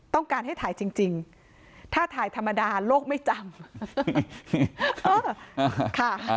ต้องการให้ถ่ายจริงถ้าถ่ายธรรมดาโลกไม่จำ